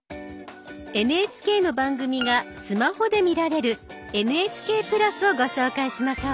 ＮＨＫの番組がスマホで見られる「ＮＨＫプラス」をご紹介しましょう。